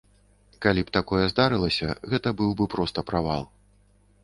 Калі б такое здарылася, гэта быў бы проста правал.